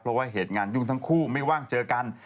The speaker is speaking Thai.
เพราะว่าเหตุงานยุ่งทั้งคู่ไม่ว่างเจอกัน